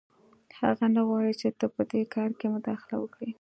هغه نه غواړي چې ته په دې کار کې مداخله وکړې